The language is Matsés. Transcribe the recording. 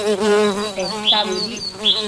Peta bëdic